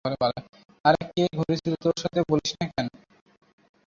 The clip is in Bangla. আরে কে ঘুরছিলো তোর সাথে, বলছিস না, কেন?